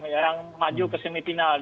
yang maju ke semifinal